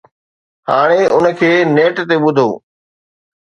هاڻي ان کي نيٽ تي ٻڌو.